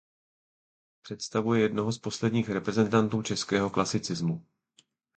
Představuje jednoho z posledních reprezentantů českého klasicismu.